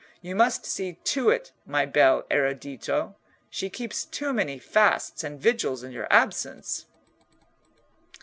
You must see to it, my bel erudito: she keeps too many fasts and vigils in your absence."